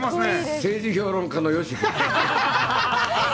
政治評論家の吉です。